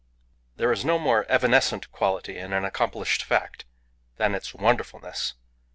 There is no more evanescent quality in an accomplished fact than its wonderfulness.